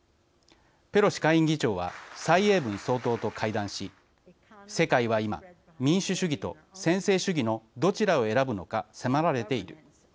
ペロシ下院議長は蔡英文総統と会談し「世界は今民主主義と専制主義のどちらを選ぶのか迫られている。